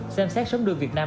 xem xét sống đường việt nam